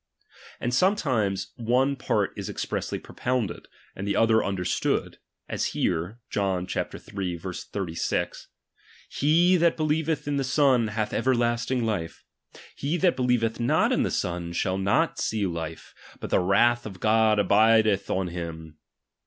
And sometimes one part is expressly propounded, and the other understood, as here (John iii. 8(5) : He that beltereth in the Son, hath everlasting life ; He thai believeth not the Son, shall not see life, but the wrath of God abidetli on hint